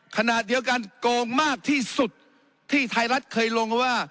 ขณะเดียวกันโกงมากที่สุดที่ไทยรัฐเคยลงว่า